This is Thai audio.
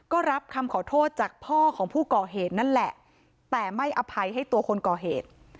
ก็รับคำขอโทษจากพ่อของผู้ก่อเหตุนั่นแหละแต่ไม่อภัยให้ตัวคนก่อเหตุ